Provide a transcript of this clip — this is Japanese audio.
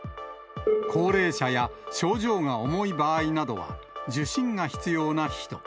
高齢者や症状が重い場合などは、受診が必要な人。